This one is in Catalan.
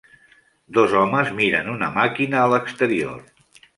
Dos homes miren una màquina a l'exterior.